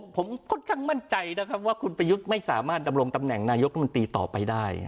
ผมค่อนข้างมั่นใจนะครับว่าคุณประยุทธ์ไม่สามารถดำรงตำแหน่งนายกรัฐมนตรีต่อไปได้